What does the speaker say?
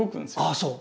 あそう。